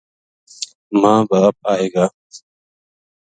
ماں باپ آئے گا